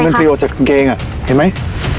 มันพรีออกจากกางเกงอ่ะเห็นไหม